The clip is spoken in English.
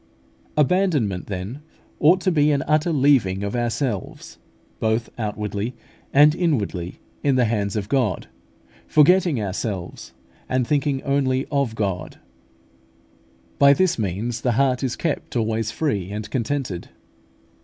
xxxvii. 5). Abandonment, then, ought to be an utter leaving of ourselves, both outwardly and inwardly, in the hands of God, forgetting ourselves, and thinking only of God. By this means the heart is kept always free and contented.